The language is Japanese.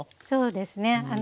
そうですね